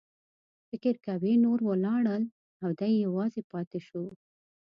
فکر کوي نور ولاړل او دی یوازې پاتې شو.